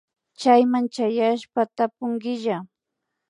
Chayman chayashpa tapunkilla